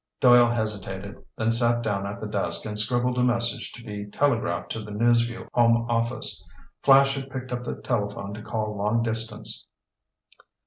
Doyle hesitated, then sat down at the desk and scribbled a message to be telegraphed to the News Vue home office. Flash had picked up the telephone to call long distance.